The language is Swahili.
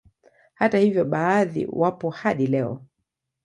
Hata hivyo baadhi wapo hadi leo